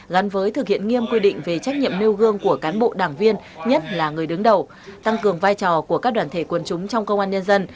gắn với thực hiện nghiêm quy định về trách nhiệm nêu gương của cán bộ đảng viên nhất là người đứng đầu tăng cường vai trò của các đoàn thể quân chúng trong công an nhân dân